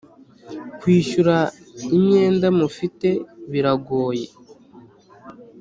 kwishyura imyenda mufite biragoye